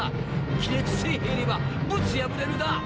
亀裂さえ入ればぶち破れるだ。